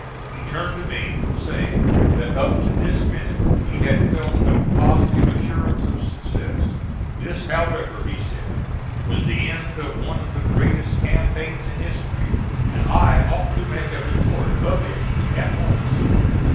He turned to me, saying that up to this minute he had felt no positive assurance of success. This, however, he said was the end of one of the greatest campaigns in history and I ought to make a report of it at once.